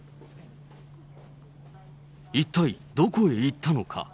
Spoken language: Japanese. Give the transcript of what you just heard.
一体どこへ行ったのか。